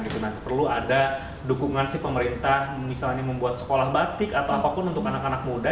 perlu ada dukungan si pemerintah misalnya membuat sekolah batik atau apapun untuk anak anak muda